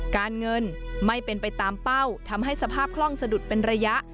การเงินไม่เป็นไปตามเป้าทำให้สภาพคล่องสะดุดเป็นระยะ